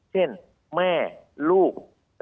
เช่นแม่ลูก